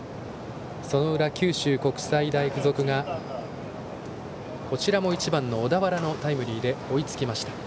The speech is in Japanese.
その裏、九州国際大付属がこちらも１番の小田原のタイムリーで追いつきました。